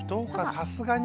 さすがに。